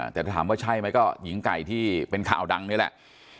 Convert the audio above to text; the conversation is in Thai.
แต่ถามว่าใช่ไหมก็หญิงไก่ที่เป็นข่าวดังนี่แหละ